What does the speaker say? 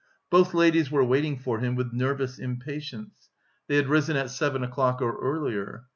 Both ladies were waiting for him with nervous impatience. They had risen at seven o'clock or earlier.